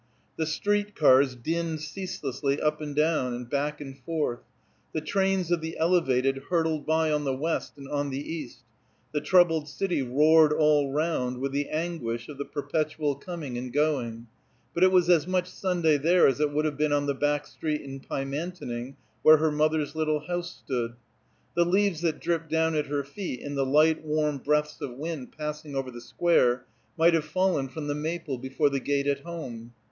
The street cars dinned ceaselessly up and down, and back and forth; the trains of the Elevated hurtled by on the west and on the east; the troubled city roared all round with the anguish of the perpetual coming and going; but it was as much Sunday there as it would have been on the back street in Pymantoning where her mother's little house stood. The leaves that dripped down at her feet in the light warm breaths of wind passing over the square might have fallen from the maple before the gate at home.